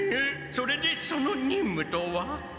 それでその任務とは？